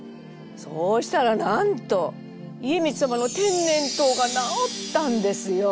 そうしたらなんと家光様の天然痘が治ったんですよ。